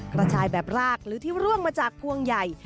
กระชายแบบรากหรือที่ร่วงมาจากพวงใหญ่